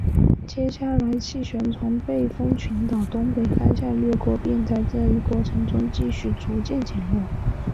接下来气旋从背风群岛东北方向掠过并在这一过程中继续逐渐减弱。